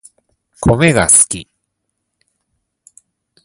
コメが好き